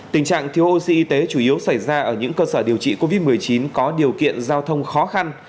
tình trạng thiếu oxy chủ yếu xảy ra ở những cơ sở điều trị covid một mươi chín có điều kiện giao thông khó khăn